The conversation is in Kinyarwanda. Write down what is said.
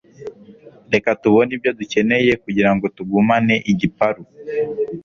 Reka tubone ibyo dukeneye kugirango tugumane igiparu